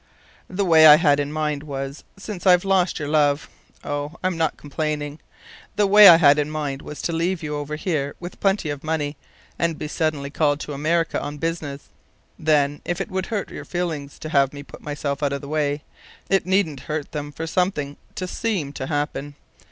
"The way I had in my mind was, since I've lost your love oh, I'm not complaining! the way I had in my mind was to leave you over here with plenty of money, and be suddenly called to America on business. Then, if it would hurt your feelings to have me put myself out of the way, it needn't hurt them for something to seem to happen.